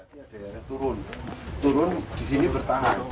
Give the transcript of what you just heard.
berarti ada yang turun turun disini bertahan